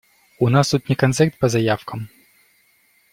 У нас тут не концерт по заявкам.